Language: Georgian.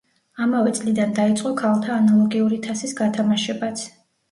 ამავე წლიდან დაიწყო ქალთა ანალოგიური თასის გათამაშებაც.